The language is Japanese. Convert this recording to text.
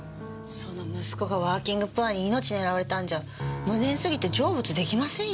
その息子がワーキングプアに命狙われたんじゃ無念すぎて成仏できませんよ。